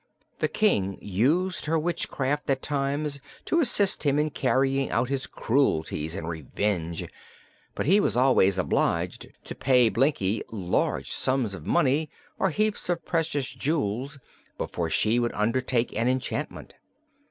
The King used her witchcraft at times to assist him in carrying out his cruelties and revenge, but he was always obliged to pay Blinkie large sums of money or heaps of precious jewels before she would undertake an enchantment.